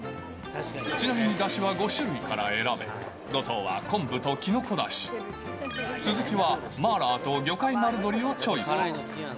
ちなみに、だしは５種類から選べ、後藤は昆布ときのこだし、鈴木は麻辣と魚介丸鶏をチョイス。